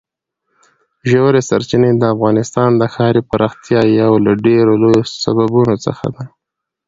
ژورې سرچینې د افغانستان د ښاري پراختیا یو له ډېرو لویو سببونو څخه ده.